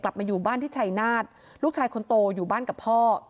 มาอยู่บ้านที่ชัยนาฏลูกชายคนโตอยู่บ้านกับพ่อ